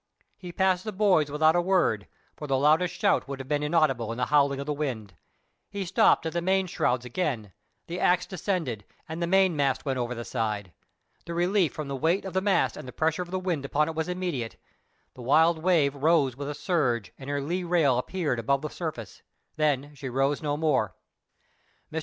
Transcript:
He passed the boys without a word, for the loudest shout would have been inaudible in the howling of the wind. He stopped at the main shrouds again, the axe descended, and the mainmast went over the side. The relief from the weight of the mast and the pressure of the wind upon it was immediate; the Wild Wave rose with a surge and her lee rail appeared above the surface, then she rose no further. Mr.